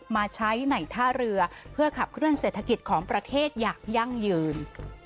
มาใช้ในท่าเรือเพื่อขับเคลื่อเศรษฐกิจของประเทศอย่างยั่งยืน